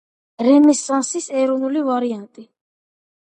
რენესანსის ეროვნული ვარიანტი.